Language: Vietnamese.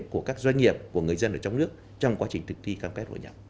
của các doanh nghiệp của người dân ở trong nước trong quá trình thực thi cam kết hội nhập